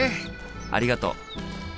ありがとう。